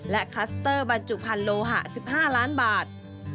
และคลัสเตอร์บรรจุภัณฑ์โลหะ๑๕ล้านบาท